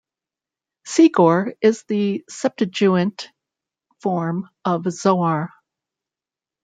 Segor is the Septuagint form of "Zoar".